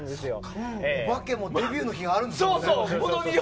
お化けもデビューの日があるんですもんね。